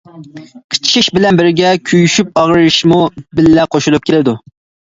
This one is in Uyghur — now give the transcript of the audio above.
قىچىشىش بىلەن بىرگە كۆيۈشۈپ ئاغرىشمۇ بىللە قوشۇلۇپ كېلىدۇ.